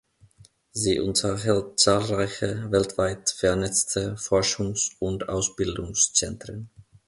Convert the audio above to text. Sie unterhält zahlreiche, weltweit vernetzte Forschungs- und Ausbildungszentren.